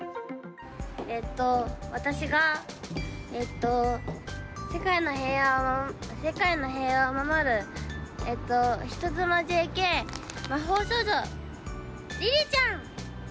えっと、私がえっと、世界の平和を守る人妻ＪＫ魔法少女りりちゃん！